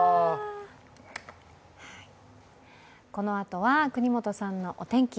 このあとは國本さんのお天気。